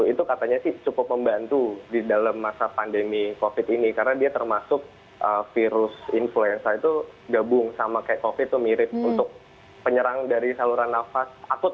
itu katanya sih cukup membantu di dalam masa pandemi covid ini karena dia termasuk virus influenza itu gabung sama kayak covid itu mirip untuk penyerang dari saluran nafas akut